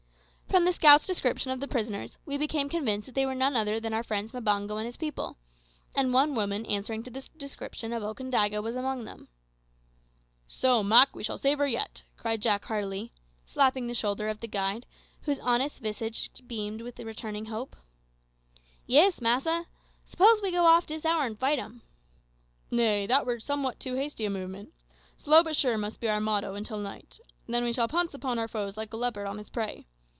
From the scout's description of the prisoners, we became convinced that they were none other than our friends Mbango and his people, and one woman answering to the description of Okandaga was among them. "So, Mak, we shall save her yet," cried Jack heartily, slapping the shoulder of the guide, whose honest visage beamed with returning hope. "Yis, massa. S'pose we go off dis hour and fight 'em?" "Nay; that were somewhat too hasty a movement. `Slow but sure' must be our motto until night. Then we shall pounce upon our foes like a leopard on his prey.